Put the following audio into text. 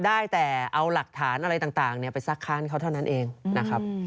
ได้แต่เอาหลักฐานอะไรต่างไปซักค้านเขาเท่านั้นเองนะครับ